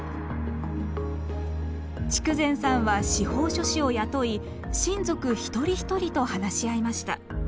筑前さんは司法書士を雇い親族一人一人と話し合いました。